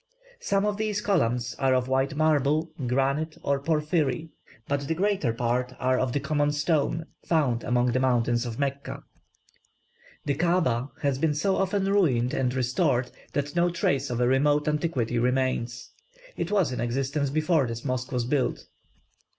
Some of these columns are of white marble, granite, or porphyry, but the greater part are of the common stone found among the mountains of Mecca. The Kaaba has been so often ruined and restored that no trace of a remote antiquity remains. It was in existence before this mosque was built.